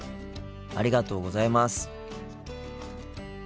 ありがとうございます。